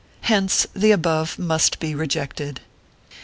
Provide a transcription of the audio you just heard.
Hence the above must be rejected.